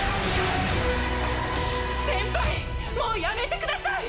先輩もうやめてください！